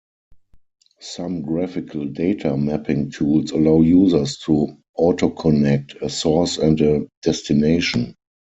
Some graphical data mapping tools allow users to "Auto-connect" a source and a destination.